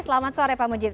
selamat sore pak mujib